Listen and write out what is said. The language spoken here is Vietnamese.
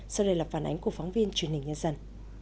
sau đây là phản ánh của phóng viên truyền hình nhân dân